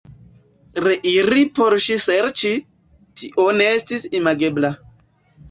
Reiri por ŝin serĉi, tio ne estis imagebla.